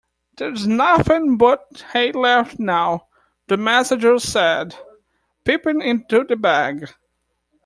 ‘There’s nothing but hay left now,’ the Messenger said, peeping into the bag.